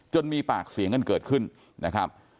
มีปากเสียงกันเกิดขึ้นนะครับ